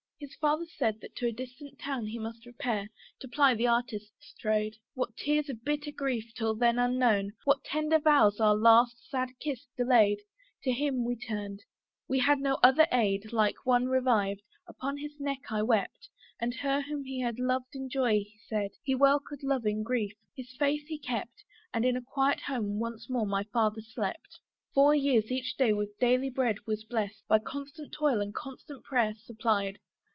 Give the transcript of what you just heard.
His father said, that to a distant town He must repair, to ply the artist's trade. What tears of bitter grief till then unknown! What tender vows our last sad kiss delayed! To him we turned: we had no other aid. Like one revived, upon his neck I wept, And her whom he had loved in joy, he said He well could love in grief: his faith he kept; And in a quiet home once more my father slept. Four years each day with daily bread was blest, By constant toil and constant prayer supplied.